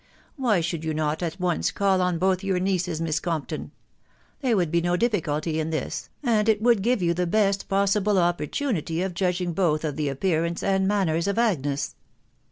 Why should you not at once call on both your nieces, Miss Compton ? There would be no diffi culty in this, and it would give you the best possible opportu nity of judging both of the appearance and manners of Agnes."